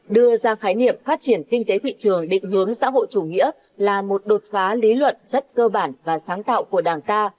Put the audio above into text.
đưa ra khái niệm phát triển kinh tế thị trường định hướng xã hội chủ nghĩa là một đột phá lý luận rất cơ bản và sáng tạo của đảng ta